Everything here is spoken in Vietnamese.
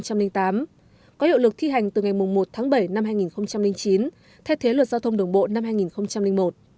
có hiệu lực thi hành từ ngày một tháng bảy năm hai nghìn chín thay thế luật giao thông đường bộ năm hai nghìn một